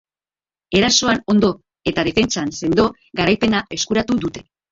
Erasoan ondo eta defentsan sendo, garaipena eskuratu dute.